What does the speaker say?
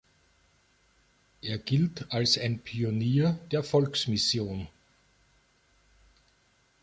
Er gilt als ein Pionier der Volksmission.